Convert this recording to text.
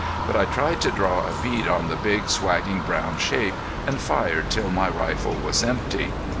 But I tried to draw a bead on the big, wagging brown shape and fired till my rifle was empty.